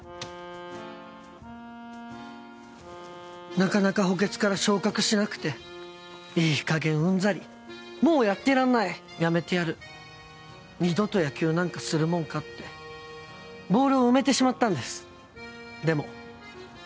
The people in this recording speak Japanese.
なかなか補欠から昇格しなくて「いいかげんうんざりもうやってらんないやめてやる二度と野球なんかするもんか」ってボールを埋めてしまったんですでも。